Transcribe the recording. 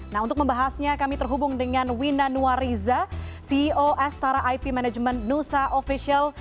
nah untuk membahasnya kami terhubung dengan wina nuariza ceo astara ip management nusa official